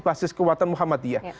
basis kekuatan muhammadiyah